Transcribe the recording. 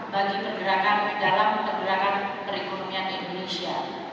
bagi pergerakan dalam pergerakan perekonomian di indonesia